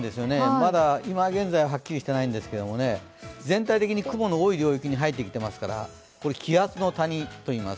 まだ今現在は、はっきりしていないんですけれども、全体的に雲の多い領域に入ってきていますからこれ気圧の谷といいます。